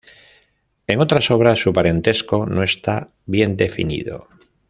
En otras obras, su parentesco no está bien definido.